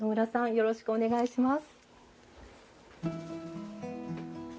よろしくお願いします。